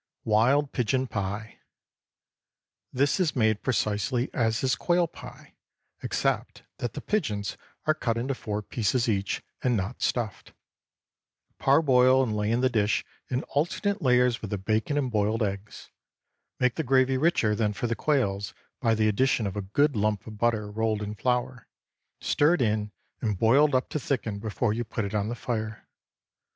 WILD PIGEON PIE. ✠ This is made precisely as is quail pie, except that the pigeons are cut into four pieces each, and not stuffed. Parboil and lay in the dish in alternate layers with the bacon and boiled eggs. Make the gravy richer than for the quails, by the addition of a good lump of butter, rolled in flour, stirred in and boiled up to thicken before you put it on the fire.